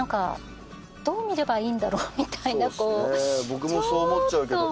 僕もそう思っちゃうけど。